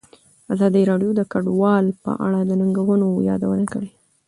ازادي راډیو د کډوال په اړه د ننګونو یادونه کړې.